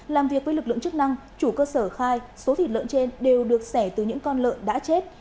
làm việc với lực lượng chức năng chủ cơ sở khai số thịt lợn trên đều được xẻ từ những con lợn đã chết